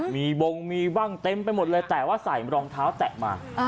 มีบงมีบ้างเต็มไปหมดเลยแต่ว่าใส่รองเท้าแตะมา